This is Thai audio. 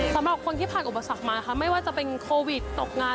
สำหรับคนที่ผ่านอุปสรรคมาค่ะไม่ว่าจะเป็นโควิดตกงาน